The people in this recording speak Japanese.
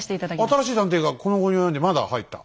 おっ新しい探偵がこの期に及んでまだ入った？